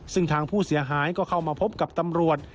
ซึ่งทางผู้เสียหายก็เข้ามาพบกับตำรวจ